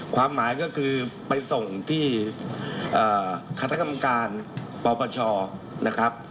ความหมายก็คือไปส่งที่คณะกรรมการปปชนะครับ